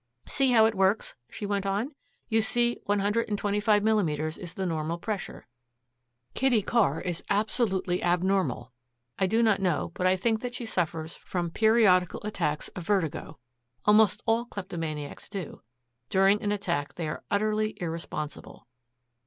"See how it works?" she went on. "You see one hundred and twenty five millimeters is the normal pressure. Kitty Carr is absolutely abnormal. I do not know, but I think that she suffers from periodical attacks of vertigo. Almost all kleptomaniacs do. During an attack they are utterly irresponsible."